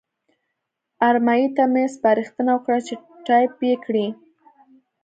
ارمایي ته مې سپارښتنه وکړه چې ټایپ یې کړي.